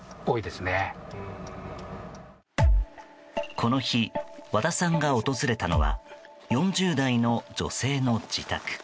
この日、和田さんが訪れたのは４０代の女性の自宅。